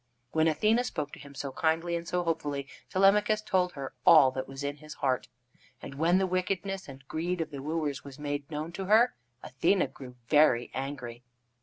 When Athene spoke to him so kindly and so hopefully, Telemachus told her all that was in his heart. And when the wickedness and greed of the wooers was made known to her, Athene grew very angry.